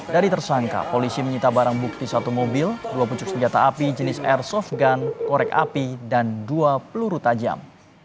dari tersangka polisi menyita barang bukti satu mobil dua pucuk senjata api jenis airsoft gun korek api dan dua peluru tajam